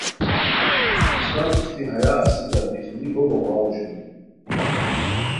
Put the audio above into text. اسپہ پروشٹی ہیا اسیکہ بشلی بو بوغاؤ اوشونی